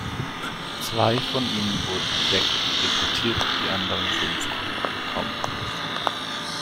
Zwei von ihnen wurden entdeckt und deportiert, die anderen fünf konnten entkommen.